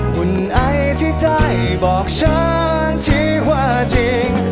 หุ่นไอที่ได้บอกฉันที่ว่าจริง